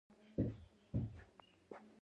کاکتوس په دښته کې ژوند کوي